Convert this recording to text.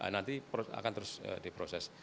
nanti akan terus diproses